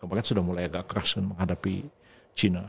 kemarin sudah mulai agak keras menghadapi cina